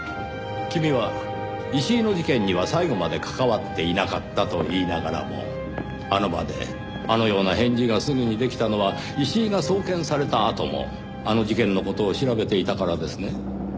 君は石井の事件には最後まで関わっていなかったと言いながらもあの場であのような返事がすぐにできたのは石井が送検されたあともあの事件の事を調べていたからですね？